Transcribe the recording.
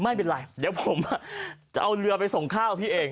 ไม่เป็นไรเดี๋ยวผมจะเอาเรือไปส่งข้าวพี่เอง